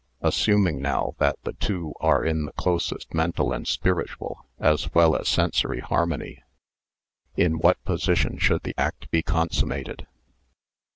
Assuming now that the two are in the closest mental and spiritual, as well as sensory harmony : in what position should the act be consummated